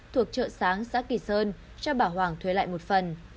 thuộc chợ sáng xã kỳ sơn cho bà hoàng thuê lại một phần